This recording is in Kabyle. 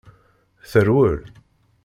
Terwel.